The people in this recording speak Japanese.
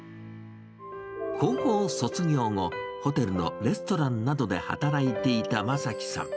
高校卒業後、ホテルのレストランなどで働いていた正樹さん。